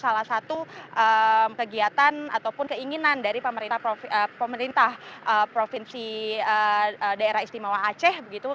salah satu kegiatan ataupun keinginan dari pemerintah provinsi daerah istimewa aceh begitu